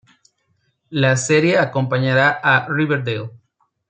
La serie acompañará a "Riverdale".